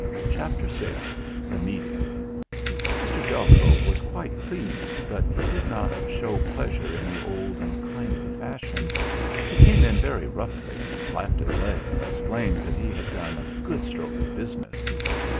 CHAPTER VI THE MEETING Mr. Jago was quite pleased, but he did not show pleasure in the old and kindly fashion; he came in very roughly and slapped his leg and explained that he had done a good stroke of business.